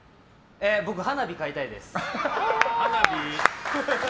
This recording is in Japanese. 僕、花火買いたいです。